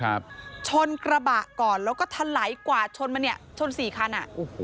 ครับชนกระบะก่อนแล้วก็ถลายกวาดชนมาเนี่ยชน๔คันอ่ะ